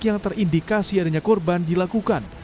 yang terindikasi adanya korban dilakukan